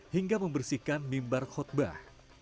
hingga membersihkan mimbar khotbah